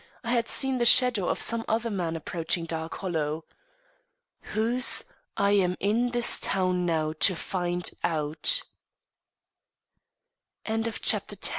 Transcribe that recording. I had seen the shadow of some other man approaching Dark Hollow. WHOSE, I AM IN THIS TOWN NOW TO FIND OUT." XI "I WILL THINK ABO